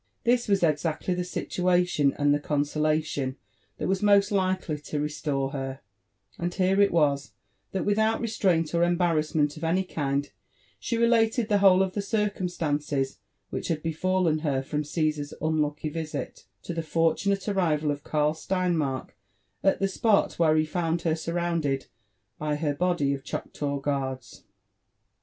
This was exactly the situation and the consolation that was most likely to restore her ; and here it was that, without restraint or em barrassment of any kind, she related the whole of the circumstances which had befallen her, from Caesar's unlucky visit, to the fortunate arrival of Karl Sleinmark at the spot where he found her surrounded by her body of Chock law guards.